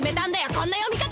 こんな読み方！